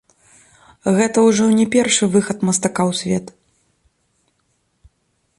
Гэта ўжо не першы выхад мастака ў свет.